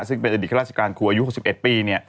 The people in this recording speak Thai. ซึ่งเป็นอดีตข้าราชการครูอายุ๖๑ปี